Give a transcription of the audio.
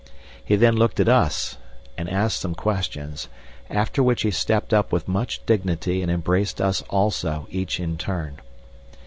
He then looked at us and asked some questions, after which he stepped up with much dignity and embraced us also each in turn.